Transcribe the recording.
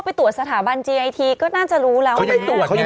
ไปตรวจสถาบันจีไอทีก็น่าจะรู้แล้วเขายังไม่ตรวจยัง